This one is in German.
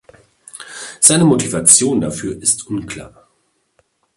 Seine Motivation dafür ist unklar.